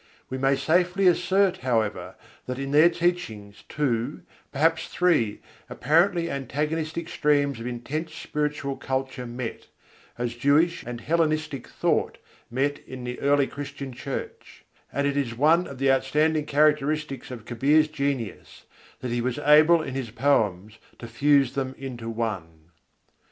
We may safely assert, however, that in their teachings, two perhaps three apparently antagonistic streams of intense spiritual culture met, as Jewish and Hellenistic thought met in the early Christian Church: and it is one of the outstanding characteristics of Kabîr's genius that he was able in his poems to fuse them into one.